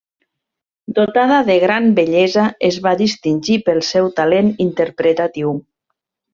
Dotada de gran bellesa, es va distingir pel seu talent interpretatiu.